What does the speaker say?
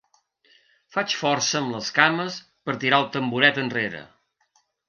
Faig força amb les cames per tirar el tamboret enrere.